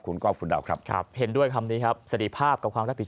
คุณกเปิดครับเว่นด้วยคำนี้ครับเสร็จภาพกับว่ารับผิด